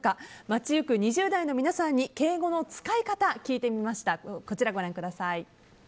街行く２０代の皆さんに敬語の使い方聞いてみました。